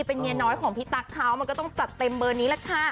เป็นเมียน้อยของพี่ตั๊กเขามันก็ต้องจัดเต็มเบอร์นี้แหละค่ะ